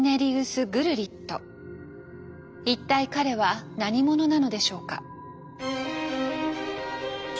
一体彼は何者なのでしょうか？